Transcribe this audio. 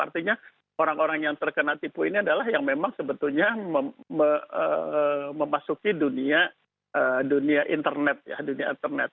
artinya orang orang yang terkena tipu ini adalah yang memang sebetulnya memasuki dunia internet